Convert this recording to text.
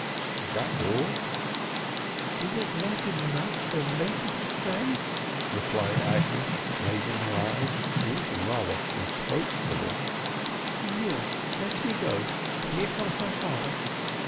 "Is that all?" "Is it not enough for a maiden to say?" replied Agnes, raising her eyes, and looking reproachfully. "Signor, let me go, here comes my father."